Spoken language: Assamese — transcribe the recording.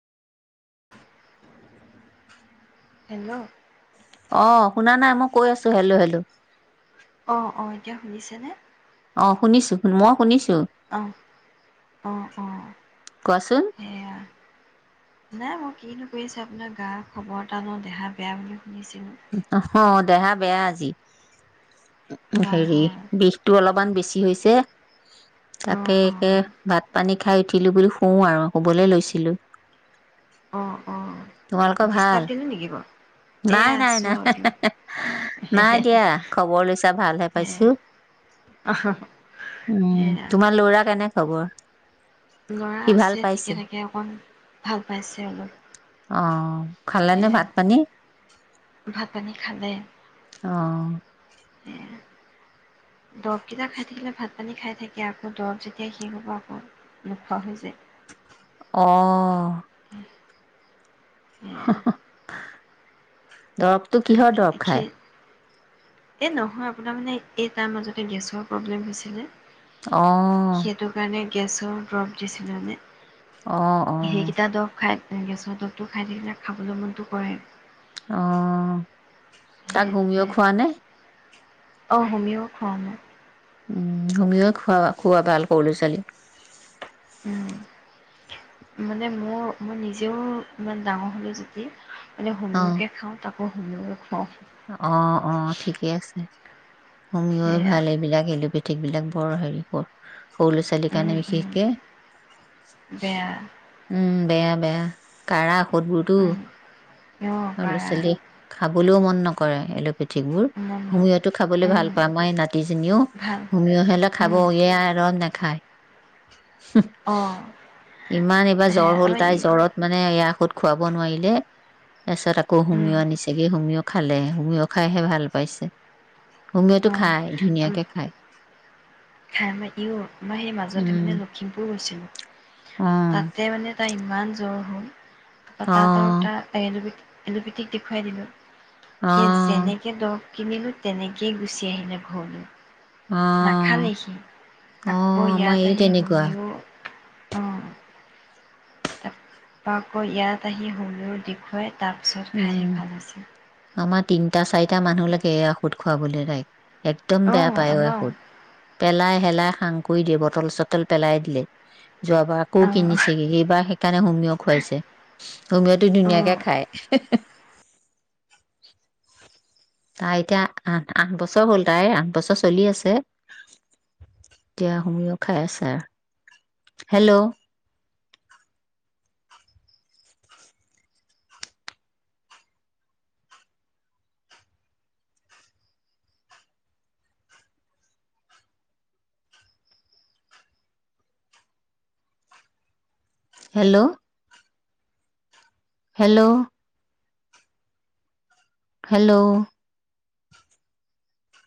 [inaudible] হেল্ল' অ'- শুনা নাই? মই কৈ আছো হেল্ল' হেল্ল'। অ'- অ'- এতিয়া শুনিছেনে? অ'- শুনিছো মই শুনিছো। অহ, অ, অ, কোৱাচোন সেয়াই। নাই মই কিনো কৰিছে? আপোনাৰ গা খবৰ এটা লওঁ দেহা বেয়া বোলে- অ'- দেহা বেয়া আজি। [inaudible] হয়, হেৰি, হয়, বিষটো অলপমান বেছি হৈছে। তাকে অ', অ', একে ভাত পানী- খাই উঠিলো বুলি শুও আৰু শুবলৈ লৈছিলো। অ, অ, তোমালোকৰ ভাল ডিষ্টাৰ্ব দিলো নেকি বাৰু? নাই এয়া নাই আছোঁ নাই আৰু দিয়ক নাই সেয়া দিয়া খবৰ লৈছা ভালহে পাইছো। উম- সেয়া তোমাৰ লৰাৰ কেনে খবৰ? ল'ৰা সি ভাল আছে ঠিকে পাইছে থাকে অকণ ভাল পাইছে অলপ, অ খালেনে সেয়া ভাত পানী ভাত পানী খালে। অ' সেয়া দৰবকেইটা খাই থাকিলে ভাত পানী খাই থাকে আকৌ দৰৱ যেতিয়া শেষ হ'ব আকৌ নোখোৱা হৈ যায়। অ'- সেয়া দৰৱটো কিহৰ দৰৱ খায় এ নহয় আপোনাৰ মানে এই তাৰ মাজতে গেছৰ প্ৰব্লেম হৈছিলে অ'। সেইটো কাৰণে গেছৰ ড্ৰপ দিছিলে নে? অ', অ'। গেছৰ দৱটো খাই থাকিলে, খাবলৈ মনটো কৰে। অ' তাক হোমিও খোৱা নে? অ হোমিও খোৱাও মই। উম হোমিঅ খোৱাবা সৰু লৰা ছোৱালীক। উম মানে মোৰ মই নিজেও ইমান ডাঙৰ হলো যদি মানে অ সৰুকে খাওঁ তাক মই হোমিঅ খোৱাও। অ অ ঠিকেই আছে। হোমিঅ এ সেয়া। ভাল এইবিলাক এলো পে থিকবিলাক বৰ হেৰি কৰ সৰু ল'ৰা ছোৱালীৰ উম কাৰণে উম বিশেষকে বেয়া উম বেয়া। বেয়া। কাৰা ঔষধবোৰতো উম অঁ আলো কাৰা চেলিক শাক- খাবলৈও মন নকৰে। পৃথিকবোৰ মন্দ হুমৰিহতটো খাবলৈ উম ভাল পায় আমাৰ এই নাতিজননীও ভাল হুমীয়ৰ হলে খাব উম এাই আৰুম নেখায়। অঁ ইমান এইবাৰ সেয়া জ্বৰ হ'ল আমাৰ ই তাই জ্বৰত মানে এয়া সুত খুৱাব নোৱাৰিলে তাৰপিছত আকৌ উম হোমিও অনিছেগে। খালে হোমিঅ খাই হে ভাল পাইছে। হোমিঅ টো খাই অ', ধুনীয়াকে খাই। খাই ই মই সেই মাজতে উম, মানে লখিমপুৰ গৈছিলো অ', তাতে মানে তাৰ ইমান জ্বৰ আ তাত অ', টা প বি এলোপেথিক দেখুৱাই দিলোঁ। সেই অ', যেনেকে ধৰ কিনিলোঁ তেনেকৈয়ে গুচি আহিলে ঘৰলে। অ', নাখালেহি আকৌ অ', আমাৰ ইয়াত এই আহি তেনেকুৱা সোনিব অ। তাৰপ আকৌ ইয়াত আহি হোমিঅ দেখুৱাই তাৰপিছত উম, খাইহে ভাল হৈছে। আমাৰ তিনিটা চাৰিটা টা মানুহ লাগে ঔষধ খুৱাবলৈ ৰায়ক। একদম বেয়া অ', পায় এই আমাৰো ঔষধ, পেলাই, হেলাই সাং কৰি দিয়ে বটল, চটল পেলাই দিলে। যোৱাবাৰ আকৌ অ', কিনিছেগে এইবাৰ সেই সেইকাৰণে হোমিঅ' খুৱাইছে, হোমিঅটো অ'। ধুনীয়াকে খাই। তাই এতিয়া আঠ-আঠ বছৰ হ'ল, তাইৰ আঠ বছৰ চলি আছে, এতিয়া হোমিও খাই আছে, হেল্ল' হেল্ল' হেল্ল' হেল্ল'